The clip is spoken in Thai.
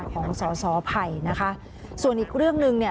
ของสอสอภัยนะคะส่วนอีกเรื่องหนึ่งเนี่ย